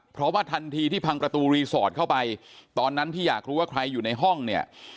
เพราะว่าทันทีที่พังประตูรีสอร์ทเข้าไปตอนนั้นที่อยากรู้ว่าใครอยู่ในห้องเนี่ย